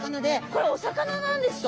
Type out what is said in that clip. これお魚なんですか？